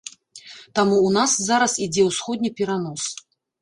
Таму ў нас зараз ідзе ўсходні перанос.